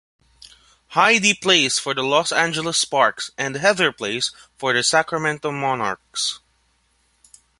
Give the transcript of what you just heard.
Heidi plays for the Los Angeles Sparks and Heather plays for the Sacramento Monarchs.